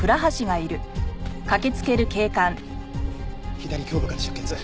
左胸部から出血。